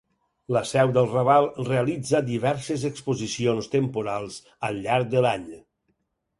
La seu del Raval, realitza diverses exposicions temporals al llarg de l'any.